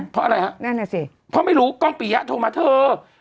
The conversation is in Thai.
เพราะไม่รู้กล้องปียะโทรมาเถอะ